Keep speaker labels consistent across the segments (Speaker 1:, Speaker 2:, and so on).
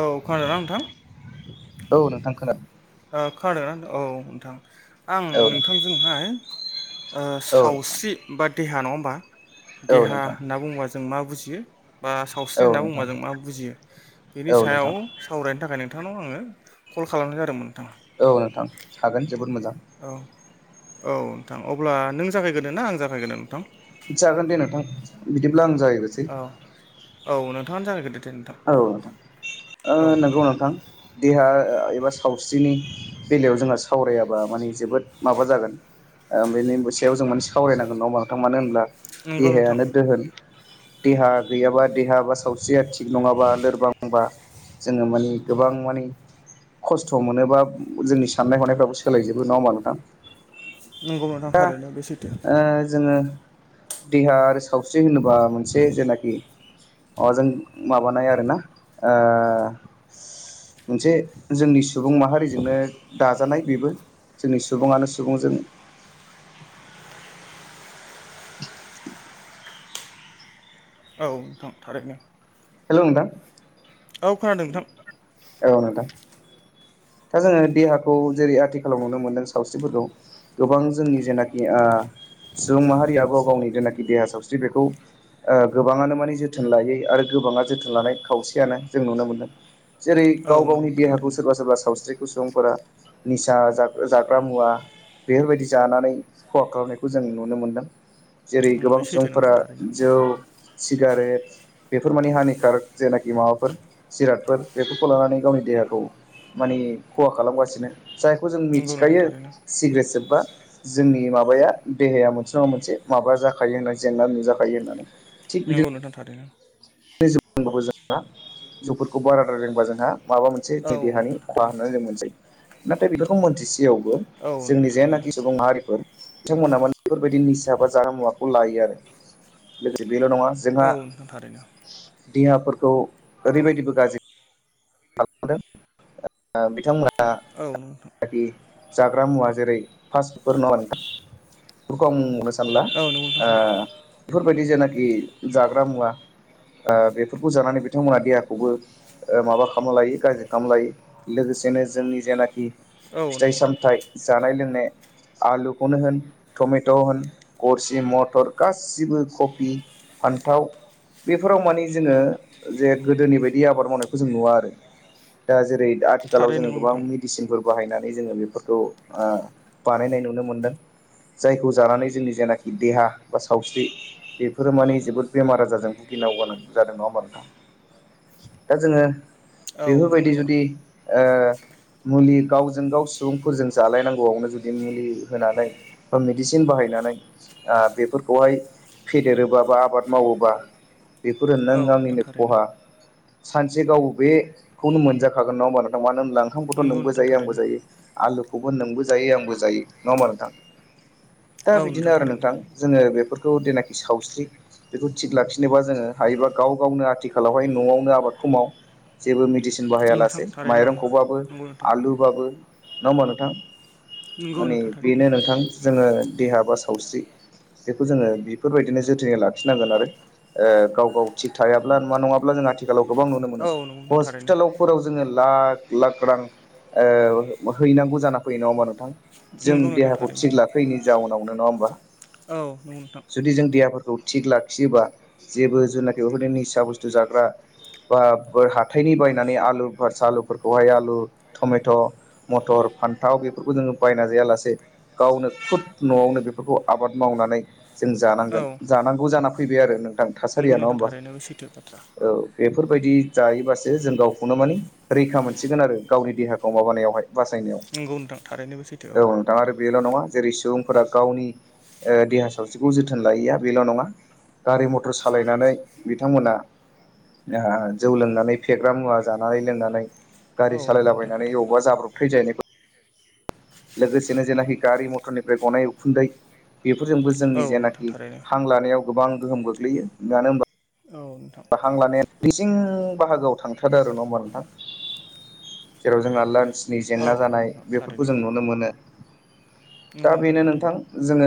Speaker 1: औ खोनादोंना नोंथां?
Speaker 2: औ नोंथां खोनादों
Speaker 1: ओ खोनादोंना औ नोंथां आं नोंथांजोंहाय
Speaker 2: औ नोंथां
Speaker 1: सावस्रि बा देहा नङा होमबा
Speaker 2: औ
Speaker 1: देहा
Speaker 2: नोंथां
Speaker 1: होनना बुङोबा जों मा बुजियो बा सावस्रि
Speaker 2: औ
Speaker 1: होनना
Speaker 2: नोंथां
Speaker 1: बुंङोबा जों मा बुजियो
Speaker 2: औ नोंथां
Speaker 1: बेनि
Speaker 2: औ
Speaker 1: सायाव
Speaker 2: नोंथां
Speaker 1: सावरायनो थाखाय नों थांनाव आङो कल खालामनाय जादोंमोन नोंथां
Speaker 2: औ नोंथां हागोन जोबोद मोजां
Speaker 1: औ औ नोंथां अब्ला नों जागायगोरनो ना आं जागायगोरनो नोंथां
Speaker 2: जागोन दे नोंथां बिदिब्ला
Speaker 1: औ
Speaker 2: [unintelligible]
Speaker 1: औ नोंथाङा जागायगोरदो
Speaker 2: औ नोंथां नंगौ नोंथां देहा एबा सावस्रिनि बेलायाव जोंहा सावरायाबा माने जोबोद माबा जागोन ओ बेनि सायाव जों मोनसे सावरायनांगोन नङा होनबा नोंथां मानो होनब्ला
Speaker 1: नंगौ नोंथां
Speaker 2: देहायानो दोहोन देहा गैयाबा देहा बा सावस्रिया थि नङाबा लोरबांबा जोङो मानि गोबां मानि खस्थ' मोनोबा जोंनि साननाय हनायफ्राबो सोलायजोबो नङा होमबा नोंथां
Speaker 1: नंगौ नोंथां
Speaker 2: दा
Speaker 1: थारैनो बे सैथो
Speaker 2: ओ जोङो देहा आरो सावस्रि होनोबा मोनसे जेनाखि माबाजों माबानाय आरोना ओ मोनसे जोंनि सुबुं माहारिजोंनो दा जानाय बेबो जोंनि सुबुङानो सुबुंजों
Speaker 1: औ नोंथां थारैनो
Speaker 2: हेल' नोंथां
Speaker 1: औ खोनादों नोंथां
Speaker 2: औ नोंथां दा जोङो देहाखौ जेरै आथिखालाव नुनो मोनदों सावस्रिफोरखौ गोबां जोंनि जेनाखि सुबुं माहारिया गाव गावनि जेनाखि देहा सावस्रि बेखौ ओ गोबाङानो माने जोथोन लायै आरो गोबाङा जोथोन लानाय खावसेयानो जों नुनो मोनदों जेरै
Speaker 1: औ
Speaker 2: गाव
Speaker 1: नंगौ
Speaker 2: गावनि
Speaker 1: नोंथां
Speaker 2: देहाखौ
Speaker 1: थारैनो
Speaker 2: सोरबा सोरबा सावस्रिखौ सुबुंफोरा जाग्रा मुवा बेफोरबायदि जानानै खहा खालामनायखौ जों नुनो मोन्दों जेरै
Speaker 1: उम
Speaker 2: गोबां
Speaker 1: बे सैथो
Speaker 2: सुबुंफोरा
Speaker 1: नोंथां थारैनो
Speaker 2: जौ सिगारेट बेफोर मानि हानि कारक जेनाखि माबाफोर जिरादफोर बेफोरखौ लानानै गावनि देहाखौ माने खहा खालामगासिनो जायखौ जों
Speaker 1: नंगौ नोंथां
Speaker 2: मिथिखायो
Speaker 1: थारैनो
Speaker 2: सिग्रेट सोबबा जोंनि माबाया देहाया मोनसे नङा मोनसे माबा जाखायो होननानै जेंना नुजाखायो होनना
Speaker 1: नंगौ नोंथां थारैनो
Speaker 2: जौ लोंबाबो जोंहा जौफोरखौ बाराद्राय लोंबा जोंहा माबा मोनसे
Speaker 1: औ
Speaker 2: जों देहानि
Speaker 1: नोंथां
Speaker 2: खहा
Speaker 1: थारैनो
Speaker 2: होननानै जों मोनसै नाथाय बेफोरखौ मोनथिसेयाव
Speaker 1: औ नोंथां
Speaker 2: जोंनि
Speaker 1: थारैनो
Speaker 2: जेनाखि सुबुं माहारिफोर बिथांमोना मानोे बेफोरबायदि निसा बा जाग्रा मुवाखौ लायो आरो लोगोसे बेल' नङा जोंहा
Speaker 1: औ नोंथां थारैनो
Speaker 2: देहाफोरखौ ओरैबायदिबो गाज्रि खालामदों ओ बिथांमोनहा
Speaker 1: औ नोंथां
Speaker 2: जानाखि जाग्रा मुवा जेरै [unintelligible] बेफोरखौ आं सानला ओ बेफोरबायदि जेनाखि जाग्रा मुवा ओ बेफोरखौ जानानै बिथांमोना देहाखौबो माबा माबा खालामना लायो गाज्रि खालामना लायो लोगोसेनो जोंनि जेनाखि
Speaker 1: औ नंगौ
Speaker 2: फिथाइ
Speaker 1: नोंथां
Speaker 2: सामथाइ जानाय लोंनाय [unintelligible] आलुखौनो होन टमेट' होन गरसि मथर गासिबो कबि फा न्थाव बेफोराव मानि जोङो जे गोदोनि बायदि आबाद मावनायखौ जों नुवा आरो दा जेरै आथिखालाव जोङो गोबां मेडिसिनफोर बाहायना जोङो बेफोरखौ ओ बानायनाय नुनो मोनदों। जायखौ जानानै जोंनि जेनाखि देहा बा सावस्रि बेफोरो माने जोबोद बेमार आजारजों भुगि नांगौ गोनांथि जादों। नङा होमबा नोंथा?
Speaker 1: [inaudible]
Speaker 2: दा जोङो
Speaker 1: औ
Speaker 2: बेफोरबायदि जुदि
Speaker 1: नंगौ
Speaker 2: ओ मुलि गावजों गाव सुबुंफोरजों जालायनांगौआवनो जुदि मुलि होनानै बा मेडिसिन बाहाय नानै आ बेफोरखौहाय फेदेरोबा बा आबाद मावोबा बेफोरो नों
Speaker 1: नोंथां
Speaker 2: आंनिनो
Speaker 1: थारैनो
Speaker 2: खहा सानसे गाव बेखौनो मोनजाखागोन नङा होमबा नोंथां मानो होनब्ला ओंखामखौथ'
Speaker 1: नंगौ
Speaker 2: नोंबो
Speaker 1: नोंथां
Speaker 2: जायो आंबो जायो आलुखौबो नोंबो जायो आंबो जायो। नङा होमबा नोंथां? दा
Speaker 1: औ नंगौ नोंथां औ
Speaker 2: बिदिनो
Speaker 1: थारैनो नंगौ थारैनो औ
Speaker 2: आरो
Speaker 1: थारैनो
Speaker 2: नोंथां जोङो बेफोर खौ जेनाखि सावस्रि बेखौ थिग लाखिनोबा जोङो हायोबा गाव गावनो आथिखालावहाय न'वावनो आबादखौ समाव जेबो मेडिसिन बाहाया
Speaker 1: नोंथां
Speaker 2: लासे
Speaker 1: थारैनो औ
Speaker 2: माइरंखौबाबो
Speaker 1: नंगौ नोंथां
Speaker 2: आलु बाबो नङा होमबा नोंथां
Speaker 1: नंगौ
Speaker 2: माने
Speaker 1: नोंथां थारैनो
Speaker 2: बेनो नोंथां जोङो देहा बा सावस्रि बेखौ जोङो बिफोरबायदिनो जोथोनै लाखिनांगोन आरो ओ गाव गाव थिग थायाब्ला नङा नङाब्ला जों आथि खालाव गोबां नुनो मोनो
Speaker 1: औ नंगौ नोंथां थारैनो
Speaker 2: हस्पिटालाव फोराव जोङो ला ख लाख रां ओ हैनांगौ जाना फैयो। नङा होमबा नोंथां? जों
Speaker 1: नंगौ नोंथां
Speaker 2: देहाखौ
Speaker 1: थारैनो
Speaker 2: थिग लाखैयैनि जाउनावनो। नङा होमबा?
Speaker 1: औ नंगौ नोंथां।
Speaker 2: खौ थिग लाखियोबा जेबो जुनाखि बेफोरनि निसा बुस्थु जाग्रा बो हा थायनि बायनानै आलु फोर सालुफोरखौहाय आलु टमेट' मथर फान्थाव बेफोरखौ जोङो बायना जायालासे गावनो खुद न'वावनो बेफोरखौ आबाद मावनानै जों
Speaker 1: औ
Speaker 2: जानांगोन। जानांगौ जाना फैबाय आरो नोंथां
Speaker 1: नंगौ
Speaker 2: थासारिया नङा
Speaker 1: नोंथां
Speaker 2: होमबा
Speaker 1: थारैनो बे सैथो बाथ्रा
Speaker 2: औ बेफोरबायदि जायोबासो जों गावखौनो माने रैखा मोनसिगोन आरो गावनि देहाखौ माबानायावहाय। बासायनायाव
Speaker 1: नंगौ नोंथां थारैनो बे सैथो
Speaker 2: औ नोंथां आरो बेल' नङा जेरै सुबुं फोरा गावनि ओ देहा सावस्रिखौ जोथोन लायैया बेल' नङा गारि मथर सालायनानै बिथांमोना ओ जौ लोंनानै फेग्रा मुवा जानानै लोंनानै
Speaker 1: औ
Speaker 2: गारि
Speaker 1: नंगौ नोंथां
Speaker 2: सालायलाबायनानै
Speaker 1: थारैनो
Speaker 2: अबावबा जाब्रबथाय जाहैनायखौ लोगोसेनो जेनाखि गारि मथरनिफ्राय गनाय उखुन्दै बेफोरजोंबो
Speaker 1: औ
Speaker 2: जोंनि
Speaker 1: नोंथां
Speaker 2: जेनाखि
Speaker 1: थारैनो
Speaker 2: हां लानायाव गोबां गोहोम गोग्लैयो मानो होनबा
Speaker 1: औ नोंथां
Speaker 2: बा हां लानाया उदै सिं बाहागोआव थांथारो आरो। नङा होमबा नोंथां? जेराव जोंहा लान्सनि जेंना
Speaker 1: औ नंगौ
Speaker 2: जानाय
Speaker 1: नोंथां थारैनो
Speaker 2: बेफोरखौ जों नु दा
Speaker 1: नंगौ
Speaker 2: बेनो नोंथां
Speaker 1: थारैनो
Speaker 2: जोङो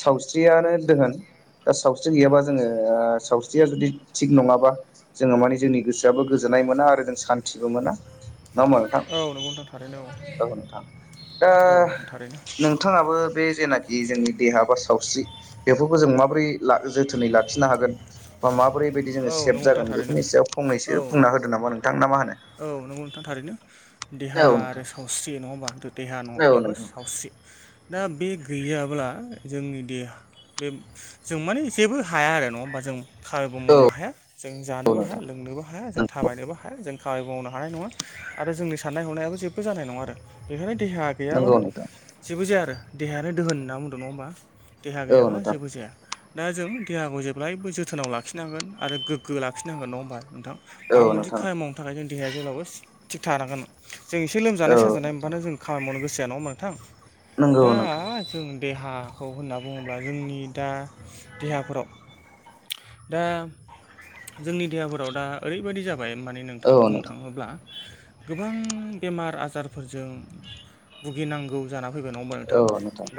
Speaker 2: साव स्रियानो दोहोन। दा सावस्रि गैयाबा जोङो ओ सावस्रिया जुदि थिग नङाबा जोङो माने जोंनि गोसोआबो गोजोननाय नाय मोना आरो जों सानथिबो मोना। नङा होमबा नोंथां?
Speaker 1: औ नंगौ नोंथां थारैनो
Speaker 2: औ नोंथां। दा
Speaker 1: औ नोंथां थारैनो
Speaker 2: नोंथाङाबो बे जेनाखि जोंनि देहा बा सावस्रि बेफोरखौ जों माबोरै ला जोथोनै लाखिनो हागोन बा माबोरै बायदि
Speaker 1: औ
Speaker 2: जोङो सेभ
Speaker 1: नंगौ नोंथां
Speaker 2: जागोन
Speaker 1: थारैनो
Speaker 2: बेफोरनि सायाव फंनैसो बुंना होदो नामा नोंथां। ना मा होनो?
Speaker 1: औ नंगौ नोंथा थारैनो। देहा
Speaker 2: औ
Speaker 1: आरो
Speaker 2: नोंथां
Speaker 1: सावस्रि नङा होमबा दो देहान
Speaker 2: औ
Speaker 1: एबा
Speaker 2: नोंथां
Speaker 1: सावस्रि दा बे गैयाब्ला जोंनि देहा बे जों माने जेबो हाया आरो नङा होमबा जों खामायबो
Speaker 2: औ
Speaker 1: मावनो हाया जों
Speaker 2: औ
Speaker 1: जानोबो हाया
Speaker 2: नोंथां
Speaker 1: लोंनोबो हाया जों थाबायनोबो हाया जों खामानिबो मावनो हानाय नङा आरो जोंनि साननाय हनायाबो जेबो जानाय नङा आरो बेखायनो देहा
Speaker 2: नंगौ
Speaker 1: गैयाबानो
Speaker 2: नंगौ नोंथां
Speaker 1: जेबो जाया आरो देहायानो दोहोन होनना बुंदों नङा होमबा। देहा
Speaker 2: औ
Speaker 1: गैयाब्ला
Speaker 2: नोंथां
Speaker 1: जेबो जाया दा जों देहाखौ जेब्लायबो जोथोनाव लाखि नांनोन आरो गोगो लाखिनांगोन नङा होमबा नोंथां माबा
Speaker 2: औ
Speaker 1: मोनसे
Speaker 2: नोंथां
Speaker 1: खामानि मावनो थाखाय जों देहाया जेब्लाबो थिग थानांगोन जों एसे
Speaker 2: औ
Speaker 1: लोमजानाय साजानाय
Speaker 2: नोंथां
Speaker 1: मोनबानो जों खामानि मावनो गोसो जाया। नङा होमबा नोंथां?
Speaker 2: नंगौ
Speaker 1: दा
Speaker 2: नोंथां
Speaker 1: जों देहाखौ होनना बुङोब्ला जोंनि दा देहाफोराव दा जोंनि देहाफोराव दा ओरैबादि जा- बाय माने नोंथां बुंनो थाङोब्ला गोबां बेमार आजारफोरजों भुगिनांगौ जाना फैबाय नङा होमबा नोंथां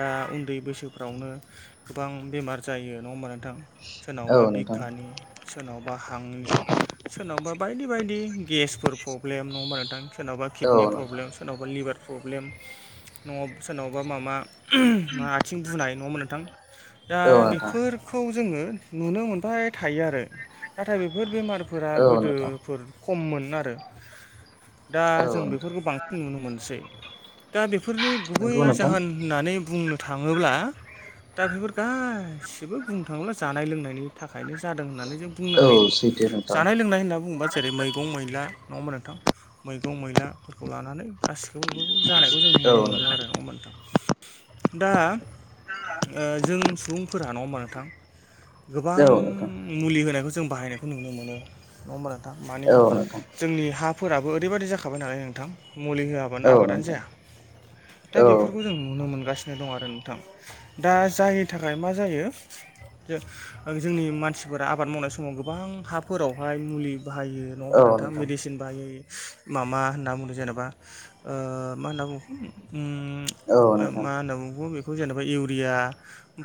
Speaker 1: दा उन्दै बैसो फोरावनो गोबां बेमार जायो नङा होमबा नोंथां
Speaker 2: औ
Speaker 1: सोरनावबा
Speaker 2: नोंथां
Speaker 1: बिखानि सोरनाव- बा हांनि सोरनावबा बायदि बायदि गेसफोर प्रब्लेम नङा होमबा नोंथां सोरनावबा
Speaker 2: औ
Speaker 1: किडनि
Speaker 2: नोंथां
Speaker 1: प्रब्लेम सोरनावबा लिभार प्रब्लेम न' सोरनावबा मामा मा आथिं बुनाय नङा होमबा नोंथां? दा
Speaker 2: औ नोंथां
Speaker 1: बेफोरखौ जोङो नुनो मोनबाय। थायो आरो नाथाय बेफोर बेमारफोरा
Speaker 2: औ नोंथां
Speaker 1: गोदोफोर खममोन आरो। दा जों
Speaker 2: औ नोंथां
Speaker 1: बेफोरखौ बांसिन नुनो मोनसै। दा बेफोरनि गुबै
Speaker 2: नंगौ नोंथां
Speaker 1: जाहोन होननानै बुंनो थाङोब्ला दा बेफोर गासिबो बुंनो थाङोब्ला जानाय लोंनायनि थाखाय नो जादों होननानै जों बुंनो
Speaker 2: औ
Speaker 1: हायो
Speaker 2: सैथो नोंथां
Speaker 1: जानाय लोंनाय होनना बुंङोबा जों जेरै मैगं मैला नङाहोमबा नोंथां मैगं मैलाफोरखौ लानानै गासिखौबो बेफोरखौ जानायखौ जों
Speaker 2: औ
Speaker 1: नुनो मोन्दों
Speaker 2: नोंथां
Speaker 1: आरो नङा होमबा नोंथां? दा ओ जों सुबुंफोरा नङा होमबा नोंथां? गोबां
Speaker 2: औ नोंथां
Speaker 1: मुलि होनायखौ जों बाहायनायखौ नुनो मोनो नङा होमबा? नोंथां मानि
Speaker 2: औ नोंथां
Speaker 1: जोंनि हाफोराबो ओरैबायदि जाखाबाय नालाय नोंथां। मुलि होआबानो
Speaker 2: औ
Speaker 1: आबादानो
Speaker 2: नोंथां
Speaker 1: जाया। दा
Speaker 2: औ
Speaker 1: बेफोरखौ जों नुनो मोनगासिनो दं आरो नोंथां दा जायनि थाखाय मा जायो। जो ओ जोंनि मानसिफोरा आबाद मावनाय समाव गोबां हाफोरावहाय मुलि बाहायो नङा होमबा नोंथां मिडिसिन बाहायो। मामा होनना बुदों जेनेबा ओ मा होनना बुङो उम
Speaker 2: औ
Speaker 1: ओ
Speaker 2: नोंथां
Speaker 1: मा होनना बुंङो बेखौ जेनेबा इउरिया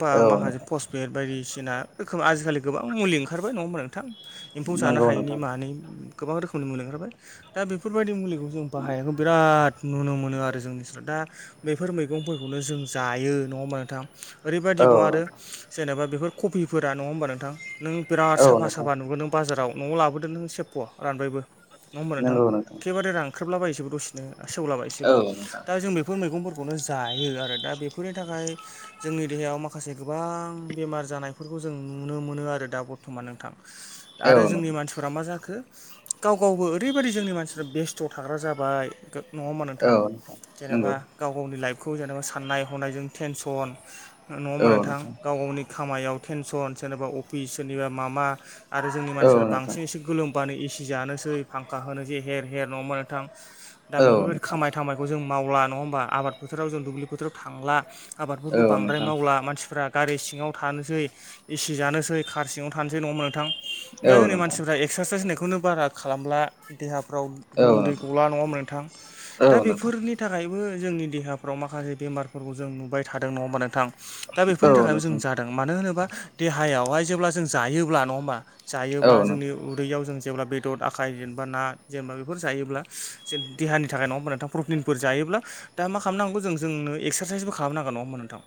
Speaker 1: बा
Speaker 2: औ
Speaker 1: माखासे
Speaker 2: नोंथां
Speaker 1: पसपेट बायदिसिना रोखोम आजिखालि गोबां मुलि ओंखारबाय नङा ओमबा नोंथां एम्फौ जानो
Speaker 2: नंगौ
Speaker 1: हायैनि
Speaker 2: नोंथां
Speaker 1: मानि गोबां रोखोमनि मुलि ओंखारबाय दा दा बेफोरबायदि मुलिखौ जों बाहायनायखौ बिराद नुनो मोनो आरो जोंनिथिं दा बैफोर मैगंफोरखौनो जों जायो नङा ओमबा नोंथां ओरैबायदिबाव आरो
Speaker 2: औ
Speaker 1: जेनेबा बेफोर कफिफोरा नङा होमबा नोंथां? नों बिराद
Speaker 2: औ
Speaker 1: साफा
Speaker 2: नोंथां
Speaker 1: साफा नुगोन नों बाजाराव न'वाव लाबोदो नों सेबफ' रानबायबो नङा होमबा नोंथां एखेबारे रानख्रेबलाबायसोबो दसेनो
Speaker 2: औ
Speaker 1: सेवलाबायसोबो
Speaker 2: नोंथां
Speaker 1: दा जों बेफोर मैगंफोरखौनो जायो आरो दा बेफोरनि थाखाय जोंनि देहायाव माखासे गोबां बेमार जानायफोरखौ जों नुनो मोनो आरो। दा बर्थमान नोंथां
Speaker 2: औ
Speaker 1: आरो जोंनि
Speaker 2: नोंथां
Speaker 1: मानसिफोरा मा जाखो गाव गावबो ओरैबायदि जोंनि मानसि बेस्थ' थाग्रा जाबाय नङा होमबा नोंथां?
Speaker 2: औ
Speaker 1: जेनेबा
Speaker 2: नंगौ
Speaker 1: गाव गावनि लाइफखौ जेनेबा साननाय हनायजों टेनसन नङा ओमबा नोंथां गाव गावनि खामायाव टेनसन सोरनेबा अफिस सोरनिबा माबा आरो जोंनि
Speaker 2: औ
Speaker 1: मानसिफोरा
Speaker 2: नोंथां
Speaker 1: बांसिन एसे गोलोमबानो एसि जानोसै फांखा होनोसै हेर हेर नङा ओमबा नोंथां दा
Speaker 2: औ
Speaker 1: बेफोरबायदि
Speaker 2: नोंथां
Speaker 1: खामायथामायखौ जों मावला नङा ओमबा आबाद फोथोराव जों दुब्लि बोथोराव थांला
Speaker 2: औ
Speaker 1: आबादफोरखौ बां द्राय
Speaker 2: नोंथां औ नोंथां
Speaker 1: मावला मानसिफ्रा गारि सिङाव थानोसै एसि जानोसै खार सिङाव थानोसै नङा नोंथां दा
Speaker 2: औ
Speaker 1: जोंनि
Speaker 2: नोंथां
Speaker 1: मानसिफ्रा एक्सारसाइस होननायखौनो बारा खालामब्ला देहा फ्राव गोलोमदै गला नङा
Speaker 2: औ नोंथां
Speaker 1: बेनि थाखायबो जोंनि देहाफ्राव माखासे बेमारफोरखौ जों नुबाय थादों नङा ओमबा नोंथां? दा बेफोरनि
Speaker 2: औ
Speaker 1: थाखायबो जों
Speaker 2: नोंथां
Speaker 1: जादों मानो होनोबा देहायावहाय जेब्ला जों जायोब्ला नङा ओमबा।
Speaker 2: औ
Speaker 1: जायोब्ला जोंनि
Speaker 2: नोंथां
Speaker 1: दैयाव जों जेब्ला बेदर आखाइ जेनबा ना जेनबा बेफोर जायोब्ला जे देहानि थाखाय नङा ओमबा नोंथां प्रटिन फोर जायोब्ला दा मा खालामनांगौ जों जोंनो एक्सारसाइसबो खालामनांगोन नङा नोंथां?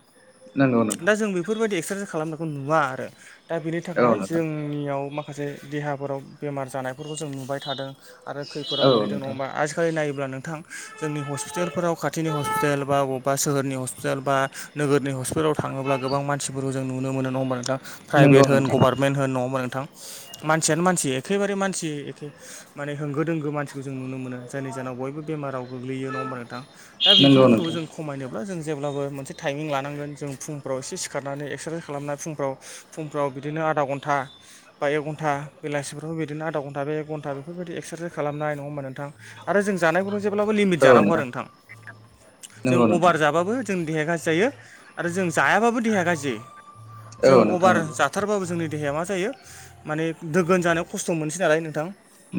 Speaker 2: नंगौ नोंथां।
Speaker 1: दा जों बेफोरबायदि एक्सारसाइस खालामनायखौ नुवा आरो दा बेनि
Speaker 2: औ
Speaker 1: थाखाय
Speaker 2: नोंथां
Speaker 1: जोंनियाव माखासे देहाफोराव बेमार जानायफोरखौ जों नुबाय थादों आरो खैफोदाव
Speaker 2: औ
Speaker 1: गोलैदों नङा
Speaker 2: नोंथां
Speaker 1: ओमबा आजिखालि नायोब्ला नोंथां जोंनि हस्पिटालफोराव खाथिनि हस्पिटाल अबबा सोहोरनि हस्पिटाल बा नोगोरनि हस्पिटालाव थाङोब्ला गोबां मानसिफोरखौ जों नुनो मोनो नङा ओमबा नोंथां?
Speaker 2: नंगौ
Speaker 1: प्राइभेट होन
Speaker 2: नोंथां
Speaker 1: गभारनमेन्ट होन नङा ओमबा नोंथां मानसियानो मानसि एखेबारे मानसि माने होंगो दोंगो मानसिखौ जों नुनो मोनो जायनि जाहोनाव बयबो बेमाराव गोग्लैयो नङा ओमबा नोंथां दा
Speaker 2: नंगौ
Speaker 1: बेफोरखौ
Speaker 2: नोंथां
Speaker 1: जों खमायनोब्ला जों जेब्लाबो मोनसे टाइमिं लानांगोन जों फुंफ्राव एसे सिखारनानै एक्सारसाइस खालामनानै फुंफ्राव फुंफ्राव बिदिनो आधा घन्टा बा एक घन्टा बेलासिफ्रावबो बिदिनो आधा घन्टा एक घन्टाफोरबायदि एक्सारसाइस खालामनाय नङा होमबा नोंथां आरो जों जानायखौबो जेब्लाबो लिमिट जानांगौ आरो नोंथां जों
Speaker 2: नंगौ नोंथां
Speaker 1: अभार जासाबो जों देहाया गाज्रि जायो आरो जों जायाबाबो देहाया गाज्रि जों
Speaker 2: औ नों
Speaker 1: अभार जाथारबाबो जोंनि देहाया मा जायो माने दोगोन जानायाव खस्थ' मोनसै नालाय नोंथां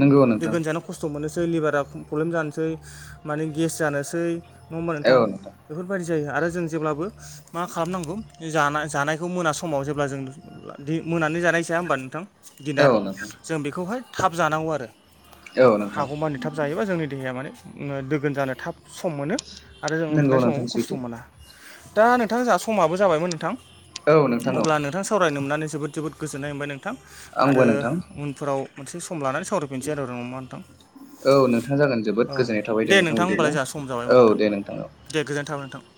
Speaker 2: नंगौ नोंथां
Speaker 1: दोगोन जानो खस्थ' मोननोसै लिभारा प्रब्लेम जानोसै माने गेस जानोसै नङा ओमबा नोंथां बेफोर बादि जायो आरो जों जेब्लाबो मा खालामनांगौ जानायखौ मोना समाव अब्ला जों मोनानि जानाय जाया ओमबा नोंथां दिनार
Speaker 2: औ नोंथां
Speaker 1: जों बेखौहाय थाब जानांगौ आरो
Speaker 2: औ नोंथां
Speaker 1: हागौमानि थाब जायोबा जोंनि देहाया माने दोगोन जानो थाब सम मोनो आरो जों
Speaker 2: नंगौ
Speaker 1: उन्दुनाय
Speaker 2: नोंथां
Speaker 1: समावबो खस्थ'
Speaker 2: सैथो
Speaker 1: मोना। दा नोंथां जोंहा समाबो जाबायमोन नोंथां।
Speaker 2: औ नों
Speaker 1: अब्ला नोंथां सावरायनो मोननानै जोबोद जोबोद गोजोननाय मोनबाय नोंथां
Speaker 2: आंबो
Speaker 1: आरो
Speaker 2: नोंथां
Speaker 1: उनफोराव मोनसे सम लानानै सावरायफिनसै आरो र' ओमबा नोंथां
Speaker 2: औ नोंथां जागोन जोबोद
Speaker 1: औ
Speaker 2: गोजोननाय थाबाय दे नोंथां
Speaker 1: होमबालाय
Speaker 2: बिदिब्ला
Speaker 1: जोंहा सम जाबायमोन
Speaker 2: औ दे नोंथां औ
Speaker 1: दे गोननाय थाबाय नोंथां